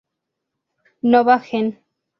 Nova Gen.